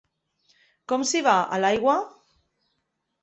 Com s'hi va, a l'aigua?